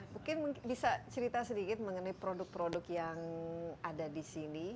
mungkin bisa cerita sedikit mengenai produk produk yang ada di sini